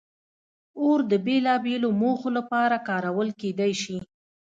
اور د بېلابېلو موخو لپاره کارول کېدی شي.